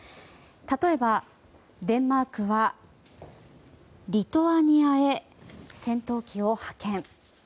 例えばデンマークはリトアニアへ戦闘機を派遣。